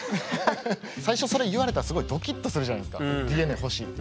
最初それ言われたらすごいドキッとするじゃないですか「ＤＮＡ欲しい」って。